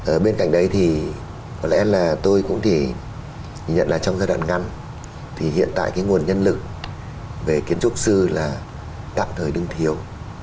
ở bên cạnh đấy thì có lẽ là tôi cũng thì nhìn nhận là trong giai đoạn ngắn thì hiện tại cái nguồn nhân lực về kiến trúc sư là tạm thời đương thiếu